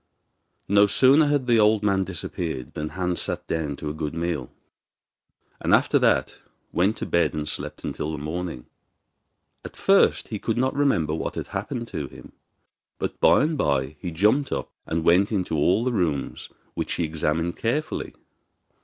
No sooner had the old man disappeared than Hans sat down to a good meal, and after that went to bed and slept until the morning. At first he could not remember what had happened to him, but by and by he jumped up and went into all the rooms, which he examined carefully.